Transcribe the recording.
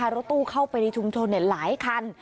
รถตู้เข้าไปในชุมชนหลายคัน